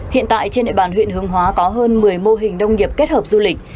hiện tại trên địa bàn huyện hướng hóa có hơn một mươi mô hình nông nghiệp kết hợp du lịch